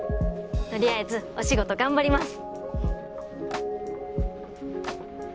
取りあえずお仕事頑張ります。